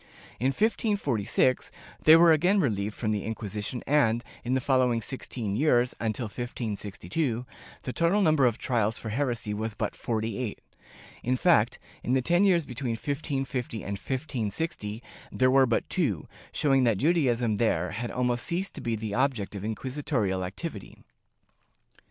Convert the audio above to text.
In 1546 they were again relieved from the Inquisition and, in the following sixteen years, until 1562, the total number of trials for heresy was but forty eight — in fact, in the ten years between 1550 and 1560, there were but two, showing that Judaism there had almost ceased to be the object of inquisitorial activity.